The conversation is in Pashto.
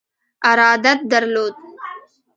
ارادت درلود.